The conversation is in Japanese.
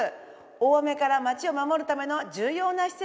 大雨から街を守るための重要な施設です。